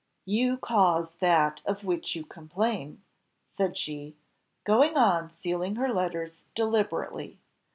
"You cause that of which you complain," said she, going on sealing her letters deliberately.